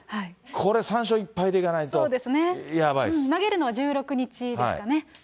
これ３勝１敗でいかないと、やば投げるのは１６日ですかね。